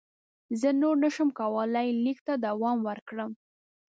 زه نور نه شم کولای لیک ته دوام ورکړم.